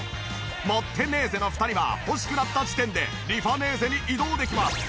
持ってネーゼの２人は欲しくなった時点でリファネーゼに移動できます。